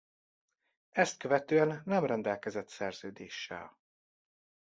Ezt követően nem rendelkezett szerződéssel.